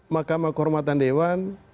makamah kehormatan dewan